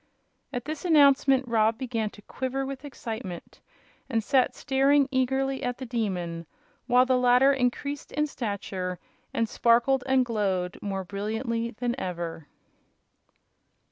At this announcement Rob began to quiver with excitement, and sat staring eagerly at the Demon, while the latter increased in stature and sparkled and glowed more brilliantly than ever.